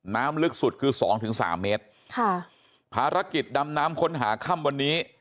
น้ำลึกสุดคือสองถึงสามเมตรค่ะภารกิจดำน้ำค้นหาค่ำวันนี้